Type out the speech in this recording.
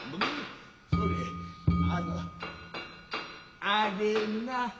コレあのあれな。